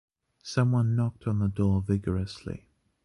Someone knocked on the door vigorously.